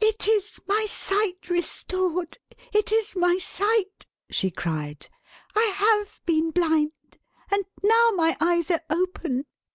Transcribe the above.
"It is my sight restored. It is my sight!" she cried. "I have been blind, and now my eyes are open.